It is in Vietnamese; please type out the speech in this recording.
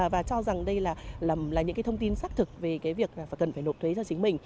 và cho rằng đây là những thông tin xác thực về việc cần phải nộp thuế cho chính mình